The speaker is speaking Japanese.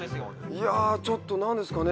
いやぁちょっとなんですかね。